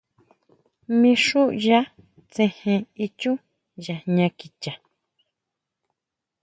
Mí xú ʼya tsejen ichú ya jña kichá.